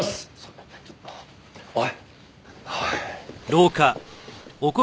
はい。